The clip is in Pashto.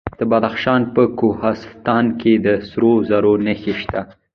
د بدخشان په کوهستان کې د سرو زرو نښې شته.